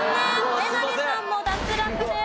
えなりさんも脱落です。